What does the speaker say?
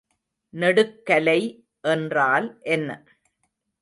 நெடுக்கலை என்றால் என்ன?